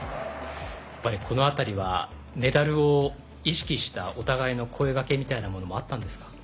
このあたりはメダルを意識したお互いの声がけみたいなものもあったんですか。